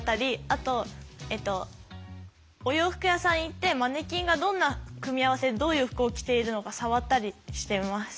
あとお洋服屋さんへ行ってマネキンがどんな組み合わせでどういう服を着ているのか触ったりしてます。